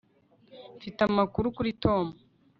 mfite amakuru kuri tom